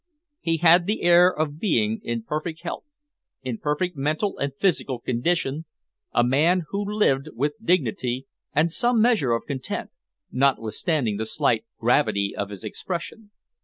He had the air of being in perfect health, in perfect mental and physical condition, a man who lived with dignity and some measure of content, notwithstanding the slight gravity of his expression.